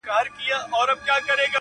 هلک دي لوی کړ د لونګو بوی یې ځینه!